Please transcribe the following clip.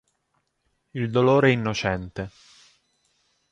Il dolore innocente.